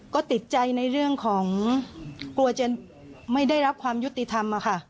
ก็ติดใจในเรื่องของกลัวจะไม่ได้รับความยุติธรรมอะค่ะ